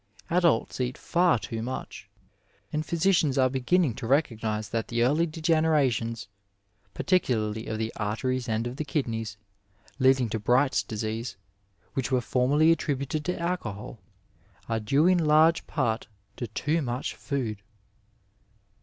Adults eat far too much, and physidaDs are beginning to recognize that the early degenerations, particularly of the arteries and of the kidneys, leading to Bright's disease, which were formerly attributed to alcohol are due in large part to too much food.